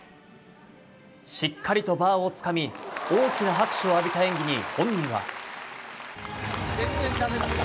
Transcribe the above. しっかりとバーをつかみ大きな拍手を浴びた演技に本人は。